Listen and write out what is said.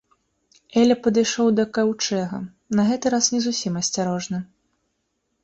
Эля падышоў да каўчэга, на гэты раз не зусім асцярожна.